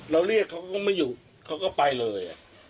เรียกเขาก็ไม่อยู่เขาก็ไปเลย